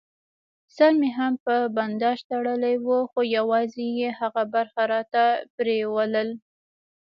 سر مې هم په بنداژ تړلی و، خو یوازې یې هغه برخه راته پرېولل.